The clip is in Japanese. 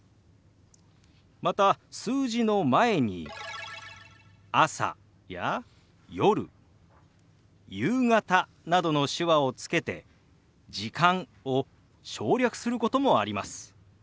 また数字の前に「朝」や「夜」「夕方」などの手話をつけて「時間」を省略することもあります。